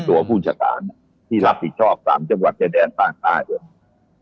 ตัวผู้จัดการที่รับประชาบสามจังหวัดเจดแดดล์นานต่างด้วย